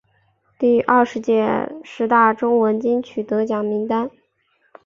第二十届十大中文金曲得奖名单